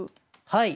はい。